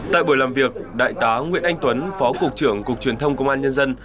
tại buổi làm việc đại tá nguyễn anh tuấn phó cục trưởng cục truyền thông công an nhân dân